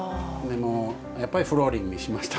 やっぱりフローリングにしました。